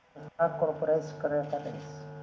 dan juga direktur korporasi kreatoris